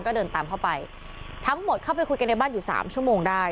ก็เดินตามเข้าไปทั้งหมดเข้าไปคุยกันในบ้านอยู่สามชั่วโมงได้